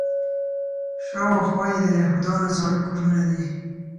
شاوخوا یې د یهودانو زاړه کورونه دي.